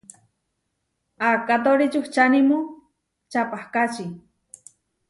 Akátori čuhčánimu čaʼpakáči.